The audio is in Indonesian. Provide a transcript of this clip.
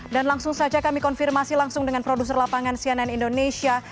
dan langsung saja kami konfirmasi langsung dengan produser lapangan cnn indonesia